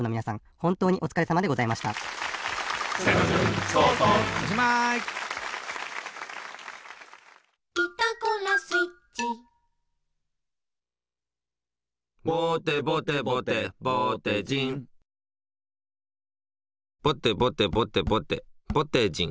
ほんとうにおつかれさまでございました「ぼてぼてぼてぼてじん」ぼてぼてぼてぼてぼてじん。